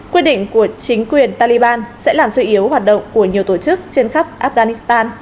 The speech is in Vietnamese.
quyết định của chính quyền taliban sẽ làm suy yếu hoạt động của nhiều tổ chức trên khắp afghanistan